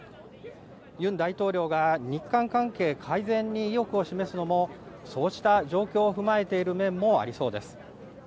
ユン大統領が日韓関係改善に意欲を示すのも、そうした状況を踏まえている面もありそうです。